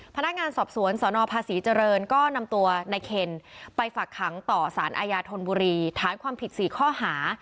พนักงานสอบสวนสนภาษีเจริญก็นำตัวนายเคนไปฝักขังต่อสารอาญาธนบุรีฐานความผิด๔ข้อหา